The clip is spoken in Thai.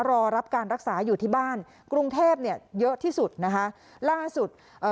รอรับการรักษาอยู่ที่บ้านกรุงเทพเนี่ยเยอะที่สุดนะคะล่าสุดเอ่อ